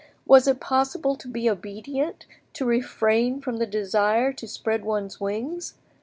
Was it possible to be obedient, to refrain from the desire to spread one's wings?